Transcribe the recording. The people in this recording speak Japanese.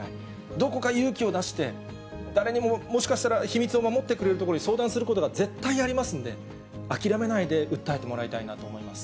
どこか勇気を出して、誰にももしかしたら秘密を守ってくれるところに相談することが絶対にありますんで、諦めないで訴えてもらいたいなと思います。